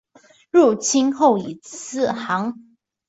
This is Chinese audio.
入清后以字行。